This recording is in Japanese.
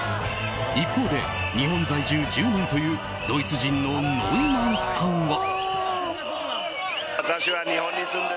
一方で日本在住１０年というドイツ人のノイマンさんは。